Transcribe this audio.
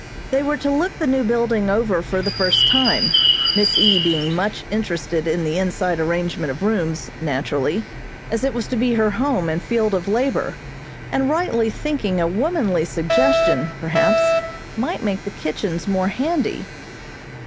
They were to look the new building over for the first time, Miss E. being much interested in the inside arrangement of rooms, naturally, as it was to be her home and field of labor, and rightly thinking a womanly suggestion, perhaps, might make the kitchens more handy.